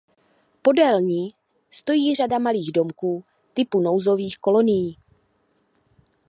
Podél ní stojí řada malých domků typu nouzových kolonií.